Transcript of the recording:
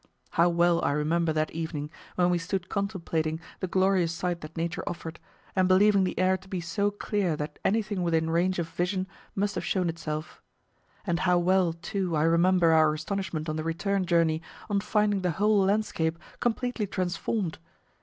How well I remember that evening, when we stood contemplating the glorious sight that Nature offered, and believing the air to be so clear that anything within range of vision must have shown itself; and how well, too, I remember our astonishment on the return journey on finding the whole landscape completely transformed!